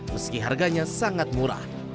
meski harganya sangat murah